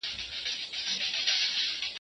د ملګري یې سلا خوښه سوه ډېره